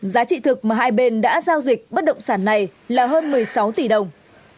giá trị thực mà hai bên đã giao dịch bất động sản này là hơn một mươi sáu tỷ đồng